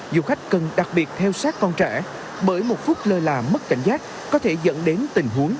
du khách cần đặc biệt theo sát con trẻ bởi một phút lơ là mất cảnh giác có thể dẫn đến tình huống